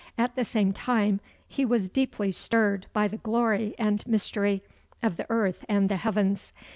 At the same time, he was deeply stirred by the glory and mystery of the earth and the heavens.